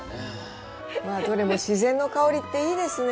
わどれも自然の香りっていいですね。